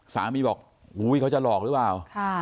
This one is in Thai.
สามีบอกอุ้ยเขาจะหลอกหรือเปล่า